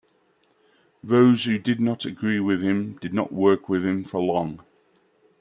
Those who did not agree with him did not work with him for long.